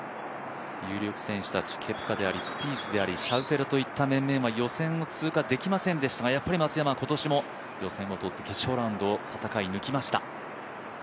有力選手たち、ケプカでありスピースでありシャウフェレといった面々は予選を通過できませんでしたが、やっぱり松山は今年も予選を通って決勝ラウンドを戦い抜きました。